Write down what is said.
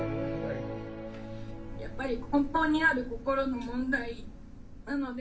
やっぱり根本にある心の問題なので。